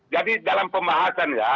jadi dalam pembahasan ya